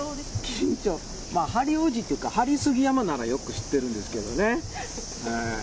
緊張、ハリー王子っていうか、ハリー杉山ならよく知ってるんですけどね。